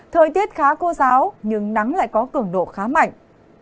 thời tiết khá khô giáo nhưng nắng lại có cường độ khá mạnh